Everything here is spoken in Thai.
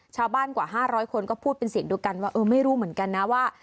กว่า๕๐๐คนก็พูดเป็นเสียงเดียวกันว่าเออไม่รู้เหมือนกันนะว่า